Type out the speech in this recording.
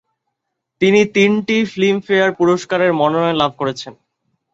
তিনি তিনটি ফিল্মফেয়ার পুরস্কারের মনোনয়ন লাভ করেছেন।